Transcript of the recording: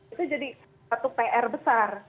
itu jadi satu pr besar